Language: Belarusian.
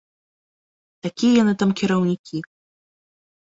Такія яны там кіраўнікі!